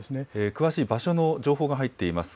詳しい場所の情報が入っています。